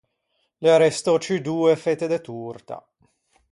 L’é arrestou ciù doe fette de torta.